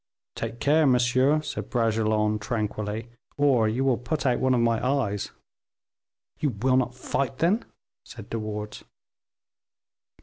"Take care, monsieur," said Bragelonne, tranquilly, "or you will put out one of my eyes." "You will not fight, then?" said De Wardes.